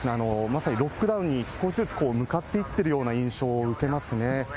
まさにロックダウンに少しずつ向かっていってるような印象を受けますね。